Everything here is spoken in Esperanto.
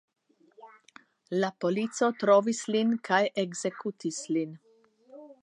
La polico trovis lin kaj ekzekutis lin.